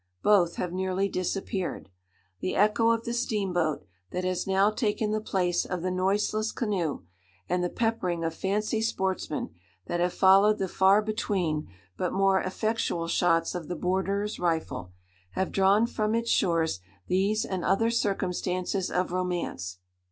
Both have nearly disappeared. The echo of the steam boat, that has now taken the place of the noiseless canoe,—and the peppering of fancy sportsmen, that have followed the far between but more effectual shots of the borderer's rifle,—have drawn from its shores these and other circumstances of romance.